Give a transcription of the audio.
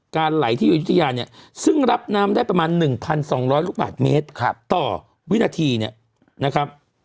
ไหลที่อยู่ยุธยาเนี่ยซึ่งรับน้ำได้ประมาณ๑๒๐๐ลูกบาทเมตรต่อวินาทีเนี่ยนะครับ